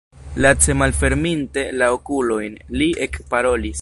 Lace malferminte la okulojn, li ekparolis: